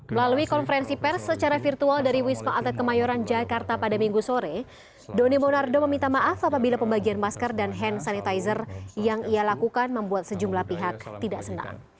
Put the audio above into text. melalui konferensi pers secara virtual dari wisma atlet kemayoran jakarta pada minggu sore doni monardo meminta maaf apabila pembagian masker dan hand sanitizer yang ia lakukan membuat sejumlah pihak tidak senang